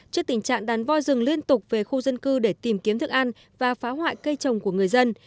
trước tình trạng đàn voi rừng liên tục về khu dân cư để tìm kiếm thức ăn và phá hoại cây trồng của người dân